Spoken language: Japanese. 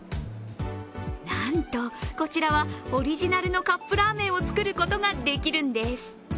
なんと、こちらはオリジナルのカップラーメンを作ることができるんです。